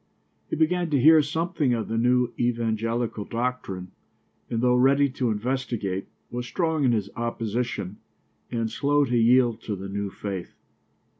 He began to hear something of the new evangelical doctrine and though ready to investigate, was strong in his opposition and slow to yield to the new faith.